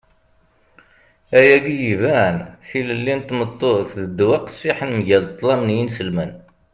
ayagi iban. tilelli n tmeṭṭut d ddwa qqessiḥen mgal ṭṭlam n yinselmen